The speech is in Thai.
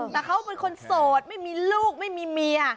แต่เขาเป็นคนโสดไม่มีลูกไม่มีเมีย